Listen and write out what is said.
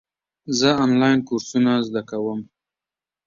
زه آنلاین کورسونه زده کوم.